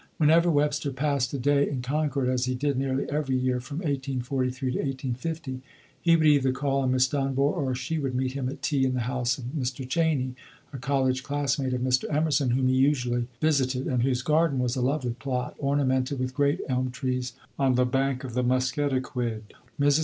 Whenever Webster passed a day in Concord, as he did nearly every year from 1843 to 1850, he would either call on Miss Dunbar, or she would meet him at tea in the house of Mr. Cheney, a college classmate of Mr. Emerson, whom he usually visited; and whose garden was a lovely plot, ornamented with great elm trees, on the bank of the Musketaquid. Mrs.